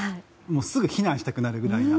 すぐに避難したくなるぐらい。